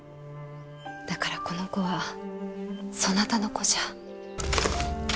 だからこの子はそなたの子じゃ。